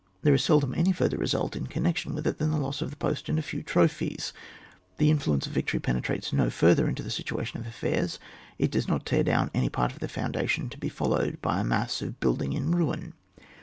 There is seldom any further re sult in connection with it than the loss of the post and a few trophies; the influence of victory penetrates no further into the situation of affairs, it does not tear down any part of the foundation to be followed by a mass of building in ruin.